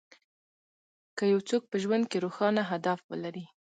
که يو څوک په ژوند کې روښانه هدف ولري.